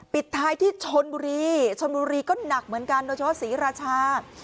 ปิดท้ายที่ชนบุรีชนบุรีก็หนักเหมือนกันโดยเฉพาะศรีราชา